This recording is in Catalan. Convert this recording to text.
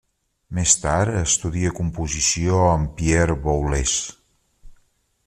Més tard estudia composició amb Pierre Boulez.